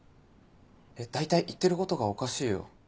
大体言ってることがおかしいよ。